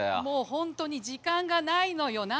もう本当に時間がないのよ！